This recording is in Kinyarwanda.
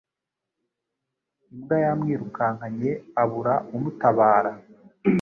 imbwa yamwirukankanye abura umutabara